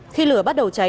khi lửa bắt đầu cháy